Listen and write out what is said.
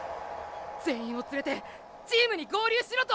全員を連れてチームに合流しろと！